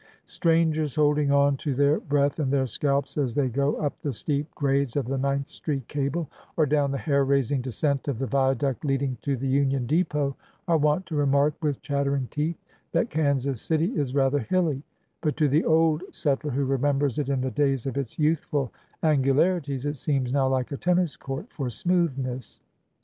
Strangers holding on to their breath and their scalps as they go up the steep grades of the Ninth Street cable, or down the hair raising descent of the viaduct leading to FORTY YEARS AGO 353 the Union Depot, are wont to remark with chattering teeth that Kansas City is rather hilly; but to the old set tler who remembers it in the days of its youthful angu larities it seems now like a tennis court for smoothness.